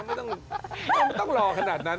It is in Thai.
ไม่ต้องรอขนาดนั้น